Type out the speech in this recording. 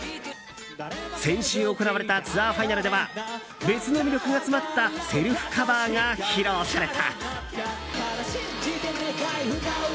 先週行われたツアーファイナルでは別の魅力が詰まったセルフカバーが披露された。